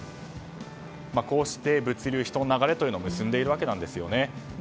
こうして物流人の流れというのを結んでいるわけなんですよね。